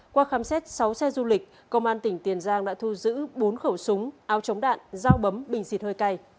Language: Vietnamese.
qua khám xét sáu xe du lịch công an tỉnh tiền giang đã thu giữ bốn khẩu súng áo chống đạn dao bấm bình xịt hơi cay